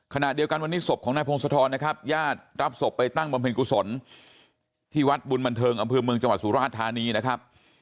ขณะเดียวกันวันนี้ศพของนายพงศธรนะครับญาติรับศพไปตั้งบำเพ็ญกุศลที่วัดบุญบันเทิงอำเภอเมืองจังหวัดสุราชธานีนะครับ